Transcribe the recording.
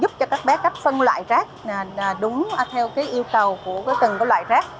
giúp cho các bé cách phân loại rác đúng theo cái yêu cầu của cái cần loại rác